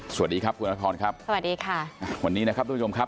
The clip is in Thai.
สวัสดีครับคุณอรัชพรครับ